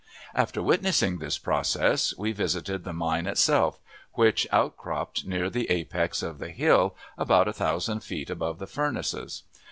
After witnessing this process, we visited the mine itself, which outcropped near the apex of the hill, about a thousand feet above the furnaces.